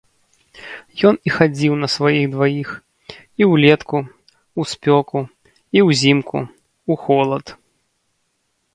Ён і хадзіў на сваіх дваіх, і ўлетку, у спёку, і ўзімку, у холад.